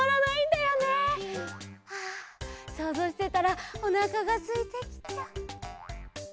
あそうぞうしてたらおなかがすいてきた。